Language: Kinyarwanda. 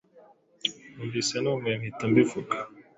Numvise numiwe mpita mbivuga.